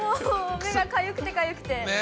目が、かゆくてかゆくて。